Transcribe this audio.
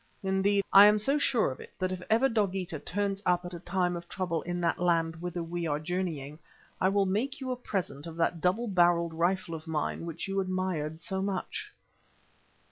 Indeed, I am so sure of it that if ever Dogeetah turns up at a time of trouble in that land whither we are journeying, I will make you a present of that double barrelled rifle of mine which you admired so much."